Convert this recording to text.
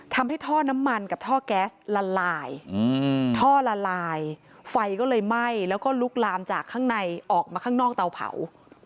ทำให้ท่อน้ำมันกับท่อแก๊สละลายท่อละลายไฟก็เลยไหม้แล้วก็ลุกลามจากข้างในออกมาข้างนอกเตาเผา